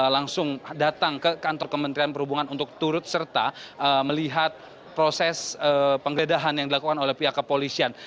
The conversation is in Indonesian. langsung datang ke kantor kementerian perhubungan untuk turut serta melihat proses penggeledahan yang dilakukan oleh pihak kepolisian